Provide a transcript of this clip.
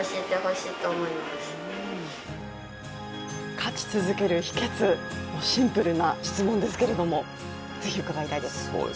勝ち続ける秘けつ、シンプルな質問ですけども、ぜひうかがいたいです。